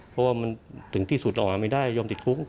เพราะว่ามันถึงที่สุดออกมาไม่ได้ยอมติดคุก